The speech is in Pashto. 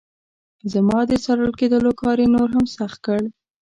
زما د څارل کېدلو کار یې نور هم سخت کړ.